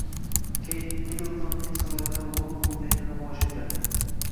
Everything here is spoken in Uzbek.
Keyt Middltonning suratlari London muzeyida namoyish etildi